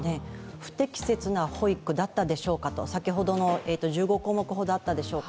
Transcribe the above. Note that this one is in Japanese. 不適切な保育だったでしょうかと、先ほどの１５項目ほどあったでしょうか。